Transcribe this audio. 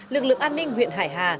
lực lượng an ninh huyện hải hà